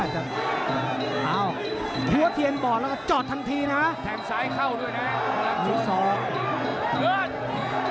ที่เป็นบอร์ดนะจอดทันทีนะแถมซ้ายเข้าด้วยน่ะ